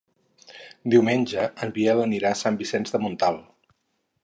Diumenge en Biel anirà a Sant Vicenç de Montalt.